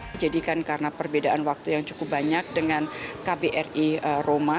dijadikan karena perbedaan waktu yang cukup banyak dengan kbri roma